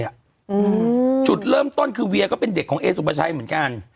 อืมจุดเริ่มต้นคือเวียก็เป็นเด็กของเอสุปชัยเหมือนกัน